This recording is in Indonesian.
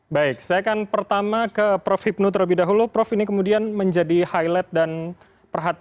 baik saya akan pertama ke prof hipnu terlebih dahulu prof ini kemudian menjadi highlight dan perhatian